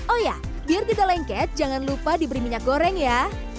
oh ya biar kita lengket jangan lupa diberi minyak goreng ya